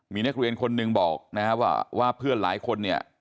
มีนักเรียนคนหนึ่งบอกนะฮะว่าเพื่อนหลายคนเนี่ย